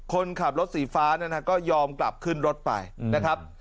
คนขับรถสีฟ้านะครับก็ยอมกลับขึ้นรถไปนะครับ